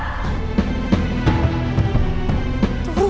dan setelah kiang